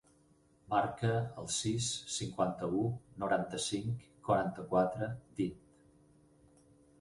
Marca el sis, cinquanta-u, noranta-cinc, quaranta-quatre, vint.